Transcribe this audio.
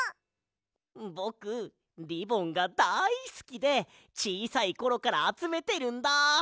ぼくリボンがだいすきでちいさいころからあつめてるんだ。